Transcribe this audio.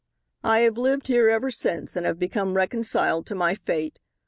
"I have lived here ever since and have become reconciled to my fate.